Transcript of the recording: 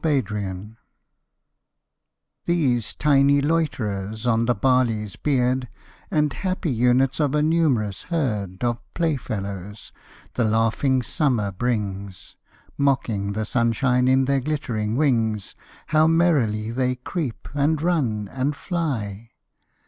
Insects These tiny loiterers on the barley's beard, And happy units of a numerous herd Of playfellows, the laughing Summer brings, Mocking the sunshine in their glittering wings, How merrily they creep, and run, and fly!